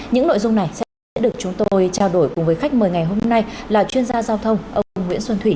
những nội dung này sẽ được chúng tôi trao đổi cùng với khách mời ngày hôm nay là chuyên gia giao thông ông nguyễn xuân thủy